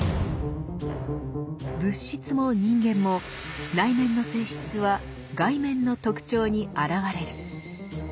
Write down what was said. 物質も人間も内面の性質は外面の特徴に現れる。